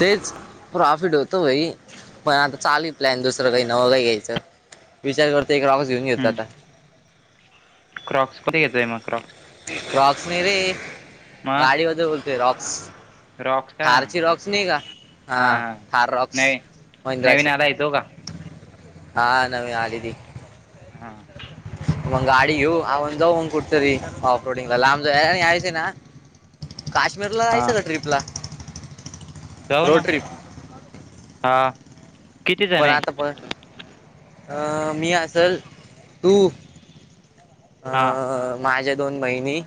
तेच प्रॉफिट होतं भाई पण आता चालू प्लॅन दुसरं काही नवं काही घ्यायचं. विचार करतोय एक लागच [unintelligible] घेऊन येतो हम्म आता क्रॉक्स कती [unintelligible] घेतोय मग क्रॉक्स क्रॉक्स नाही रे मग गाडीबद्दल बोलतोय रॉक्स रॉक्स का थार हा ची रॉक्स नाही का हा थार रॉक्स नवी नवीन महिंद्राची आलाय तो का हा नवी आली ती हा. मंग गाडी घेऊ आवग जावंग कुठतरी ऑफ रोडिंग आम जा यायस ना. काश्मीर ला हा जायचं का ट्रिपला जाऊ रोड ना ट्रिप हा. किती जण पण आहे आता पण अं मी असल तू अ हा माझ्या दोन बहिणी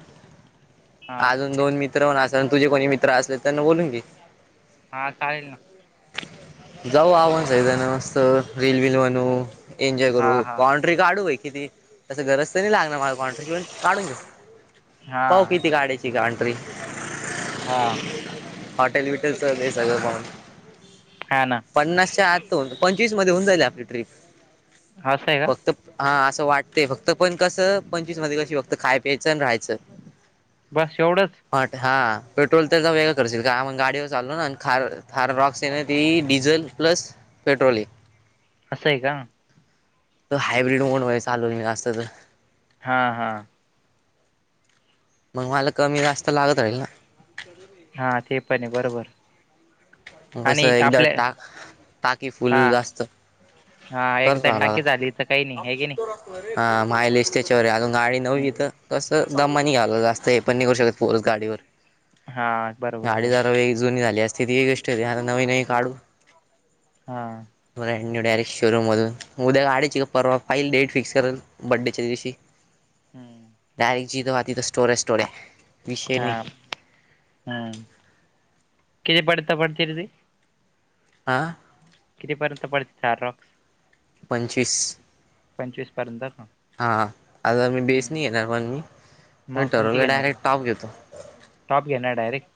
हा अजून दोन मित्र होन अस आणि तुझे कोणी मित्र असले त्यांना बोलून घी. हा चालेल ना. जाऊ आवण सगदाना [unintelligible] मस्त रीलल बल बनू एन्जॉय हा करू. हा [unintelligible] काढूय किती तं गरज तर नाही लागणार माझ कॉन्ट्रॅ कि काढून घेऊ. हा फाऊ किती काडायची का कॉन्ट्री हा. हॉटल विटल तर सत [unintelligible] पाण हा ना. पन्नासच्या आतून पंचवीस मध्ये होऊन जाईल आपली ट्रिप असं आहे का फक्त हा असं वाटते फक्त पण कसं पंचवीस मध्ये कशी फक्त खाय प्यायचं आणि राहायचं. बस एवढंच. हट हा पेट्रोल तर वेगळं करशील का मग गाडीवर चालू ना आणि खार थार रॉक्स ये ना ती डिझल प्लस पेट्रोल एक. असंय का? तो हाब्रीड मोनमध्येैर चालूून म असत तर हा हा. मग मला कमी जास्त लागत राहील ना. हा ते पण आहे बरोबर. कसं आणि एकदा आपल्या टाक टाकी फुल हा जास्त हा करत एकदा राहावं टाकी लागल झाली तर काही नाही हे की नाही. हा मायलेज त्याच्यावर अजून गाडी नव्हवी तर नाही तसं दमानी घ्यायला लागतंय पण नाही करू शकत पोरस गाडीवर हा बरोबर गाडी बरोबर जार वे जुनी झाली असते ती गष्ट ह नवी नवी काढू. हा. मडनी डायरेक्ट शोरूमधून उद्या गाडीची परवा फाई डेट फिक्स करून बड्डेच्या दिवशी हम्म डायरेक्ट जिथे तिथं स्टोऱ्याचं स्टोऱ्या हा हम् किती पडता पडतीर ती आां. कितीपर्यंत पडत चार रॉक्स पंचवीस पंचवीस पर्यंत का? हा आता मी बेस नाही येणार पण मी त ठरवलेला डयेट टॉप घेतो. स्टॉप घेणार डारेक्ट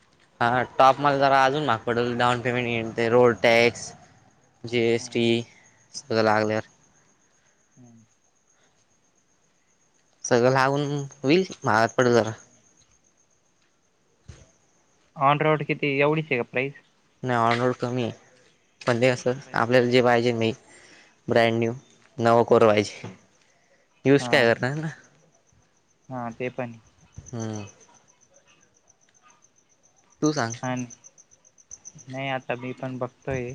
हा टॉप मला जरा अजून माग पडेल डाऊन पेमेंट येन ते रोड टॅक्स जे एस टी स लागले. हम् सगळं लागून होईल मगात पडेल जरा. ऑन रॉड किती एवढीच आहे का प्राइस. नाही ऑनरोड कमी आहे पण ते असं आपल्याला जे पाहिजे नाही. ब्रँड न्यू नव कोरवायची न्यूज हा काय करणार ना. हा ते पण. हम्म. तू सांग. आणि नाही आता मी पण बघतोय.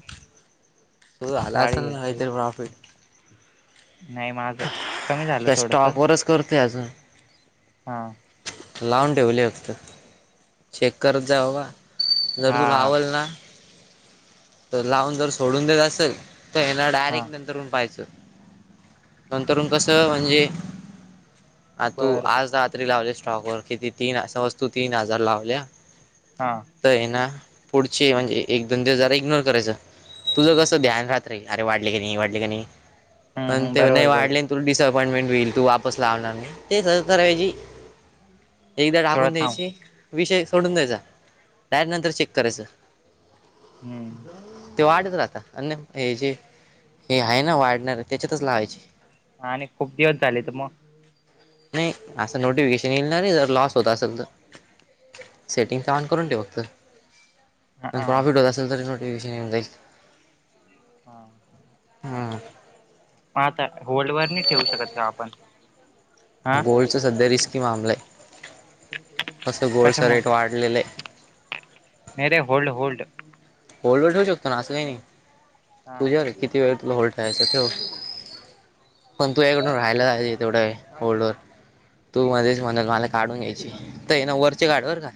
सो आला गाडी असल घ्यायचोय काहीतरी प्रॉफिट. नाही माझ. त्या स्टॉक वरच करते अजून. हा. लावून ठेवली फक्त चेक करत जा बाबा जर हा तूला हा आवल ना. तर लावून जर सोडून देत असेल तर याना हा डायरेक्ट नंतरन पाहायचं. न तरुण कस म्हणजे आ तू बर बर आज. लावले स्टॉक वर किती तीन असा वस्तू तीन हजार लावल्या. हा. आहे ना पुढचे म्हणजे एक दोन दिवस जरा इग्नोर करायचं तुझं हम्म कसं ध्यान राह अरे वाढले क नाही वाढले क नाही पण हम्म ते नाही बरोबर वाढले. बरोबर तुला डिसअपॉइंटमेंट होईल तू वापस लावणार नाही ते कराहिजे. एकदा थोडं टाकून थांब द्यायची विषय सोडून द्यायचा डायर नंतर चेक करायचं. हम्म. ते वाढत राहता अन्य हे जे हे आहे ना वाढणारे त्याच्यातच लावायचे. ह आणि खूप दिवस झाले तर मग. नाही असं नोटिफिकेशन येलणारे जर लॉस होत असेल तर. सेटिंगस ऑन करून ठ फक्त. हा पण हा प्रॉफिट होत असेल तरी नोटिफिकेशन येऊन जाईल. हां. हा, ह आता होल्ड वर नाही ठेवू शकतं का आपण. हा गोल्डचं सध्या रिस्की मामलं आहे असं गोल्डचा कशामुळं रेट वाढलेलं आहे. नेरे हल्ड होल्ड. होल्डवर ठेवू शकतो ना असं काही नाही हा तुझ्या र किती वेळ तुला होल्ड ठेवायचं ठव. पण तू याकडून राहायलाच तेवढं ओल्डर. तू मध्येस म्हणा मला काढून घ्यायची तर ये ना वरचे काढवर का.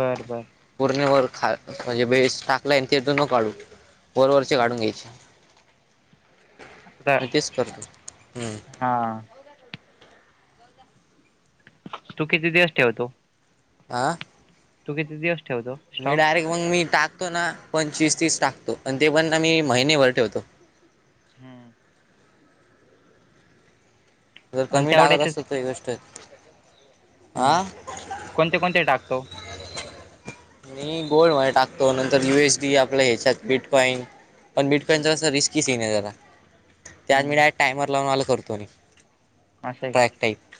बरं बर. परणी वर ख म्हणजे बेस टाकलाय आणि तेथ न काढू. वरवरचे काढून हम्म घ्यायचे आता मी तेच करतो. हा. तू किती दिवस ठेवतो. आं. तू किती दिवस ठेवतो. मी स्टॉक डायरेक्ट मग मी टाकतो. ना पंचवीस तीस टाकतो आणि ते पण ना मी महिनेभर ठेवतो. हम्म, तर आणि कमी टाकत तेवढ्याचेच असत तर ही गोष्ट ह हा कोणते कोणते टाकतो. मी गोल्ड मध्ये टाकतो नंतर युएस टीआपल्या ह्याच्यात बिटकॉईन. पण हम्म बिटकॉईनचा असं रिस्की सिन आहे जरा त्या आज मी हम्म टायमर लावून मी करतो. असं आहे. ट्रॅक टाईप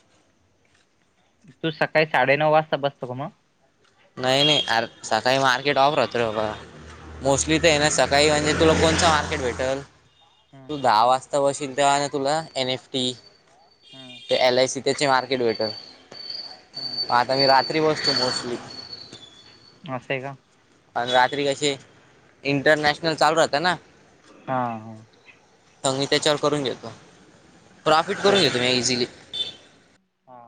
तू सकाळी साडेनऊ वाजता बसतो का मगं. नाही नाही रे सकाळी मार्केट ऑफ राहतो बाबा मोस्टली ते मग ना सकाळी. काही म्हणजे तुला कोणतं मार्केट भेटलं हम्म तू दहा वाजता जातो तव शिक देवा ना तुला एन एफ टी हम्म, ते एल आय सी त्याचे मार्केट भेटलं हम्म आता काय रात्री बसतो मोस्टली असं आहे. का. आणि रात्री कसे इंटरनॅशनल चालू राहतं ना हा, आम्ही मी त्याच्यावर करून घेतो प्रॉफिट असं करून आहे का घेतो इझिली. हा